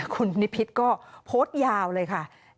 คุณนิพิษก็โพสต์ยาวเลยค่ะ